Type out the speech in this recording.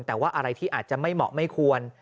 แต่ว่าอะไรที่อาจจะไม่เหมาะไม่ควร